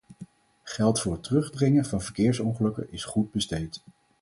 Geld voor het terugdringen van verkeersongelukken is goed besteed.